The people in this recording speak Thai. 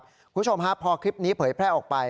คุณผู้ชมฮะพอคลิปนี้เผยแพร่ออกไป